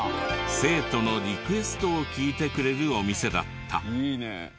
生徒のリクエストを聞いてくれるお店だった。